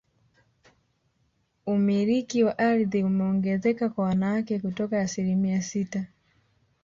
Umiliki wa ardhi umeongezeka kwa wanawake kutoka asilimia sita